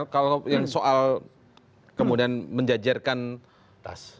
kalau yang soal kemudian menjajarkan tas